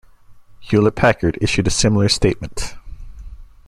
Hewlett-Packard issued a similar statement.